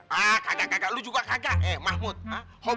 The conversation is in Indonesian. hah kagak kagak lo juga kagak